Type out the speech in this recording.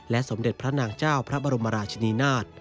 สมเด็จพระนางเจ้าพระบรมราชนีนาฏ